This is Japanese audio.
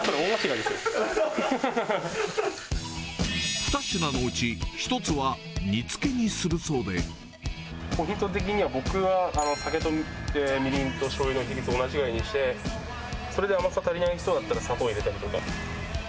２品のうち、ポイント的には、僕は、酒とみりんとしょうゆの比率、同じぐらいにして、それで甘さ足りなそうだったら、砂糖入れたりとか。